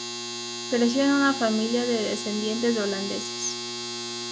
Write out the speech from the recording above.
Creció en una familia de descendientes de holandeses.